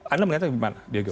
anda melihatnya bagaimana diego